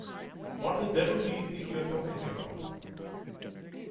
What the devil do you think you're talking about?